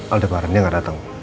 aldebarannya gak datang